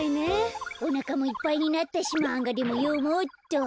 おなかもいっぱいになったしマンガでもよもうっと。